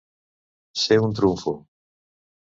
Ser un trumfo.